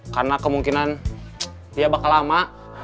karena kemungkinan dia bakal lama